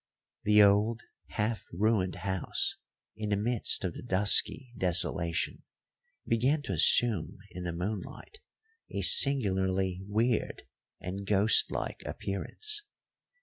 The old, half ruined house in the midst of the dusky desolation began to assume in the moonlight a singularly weird and ghost like appearance.